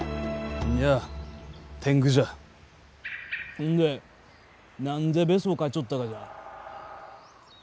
ほんで何でベソかいちょったがじゃ？